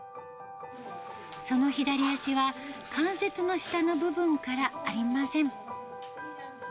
その左脚は、関節の下の部分からありません。